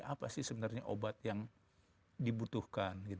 apa sih sebenarnya obat yang dibutuhkan